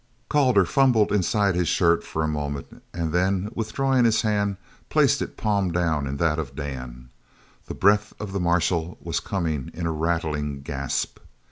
Calder fumbled inside his shirt for a moment, and then withdrawing his hand placed it palm down in that of Dan. The breath of the marshal was coming in a rattling gasp.